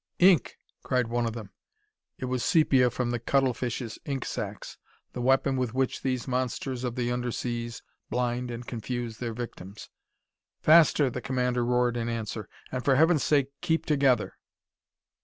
"Ink!" cried one of them. It was sepia from the cuttlefish's ink sacs the weapon with which these monsters of the underseas blind and confuse their victims. "Faster!" the commander roared in answer. "And for heaven's sake, keep together!"